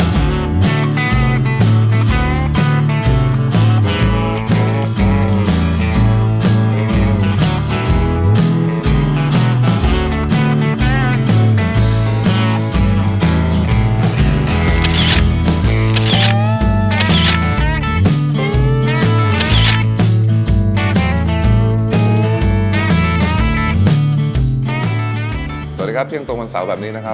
สวัสดีครับเที่ยงตรงวันเสาร์แบบนี้นะครับ